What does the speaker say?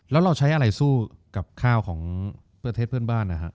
แล้วเราใช้อะไรสู้กับข้าวของประเทศเพื่อนบ้านนะฮะ